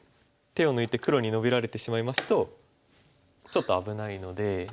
手を抜いて黒にノビられてしまいますとちょっと危ないので。